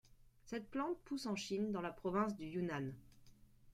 Cette plante pousse en Chine dans la province du Yunnan.